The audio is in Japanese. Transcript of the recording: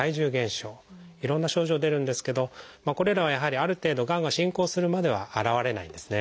いろんな症状出るんですけどこれらはやはりある程度がんが進行するまでは現れないんですね。